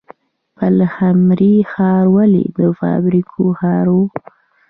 پلخمري ښار ولې د فابریکو ښار و؟